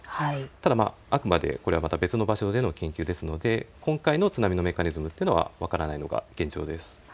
ただ、あくまでこれはまた別の場所での研究ですので今回の津波のメカニズムというのは分からないのが現状です。